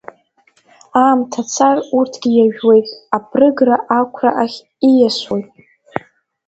Аамҭа цар урҭгьы иажәуеит, абрыгра ақәра ахь ииасуеит.